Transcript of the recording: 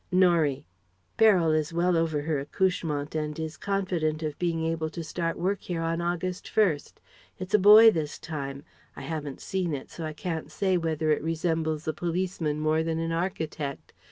Norie: "Beryl is well over her accouchement and is confident of being able to start work here on August 1.... It's a boy this time. I haven't seen it, so I can't say whether it resembles a policeman more than an architect.